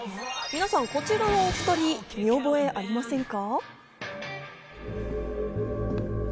皆さん、こちらのお２人、見覚えありませんか？